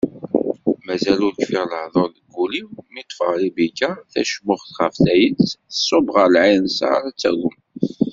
Mazal ur kfiɣ lehduṛ deg wul-iw, mi d-teffeɣ Ribika, tacmuxt ɣef tayet, tṣubb ɣer lɛinseṛ ad d-tagwem.